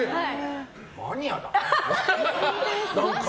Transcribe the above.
マニアだな。